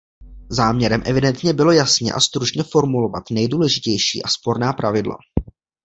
Záměrem evidentně bylo jasně a stručně formulovat nejdůležitější a sporná pravidla.